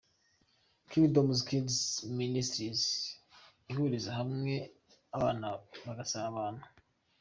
Kingdom Kids Ministries ihuriza hamwe abana bagasabana.